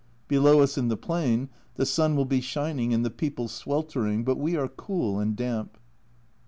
Below us in the plain the sun will be shining and the people sweltering, but we are cool and damp.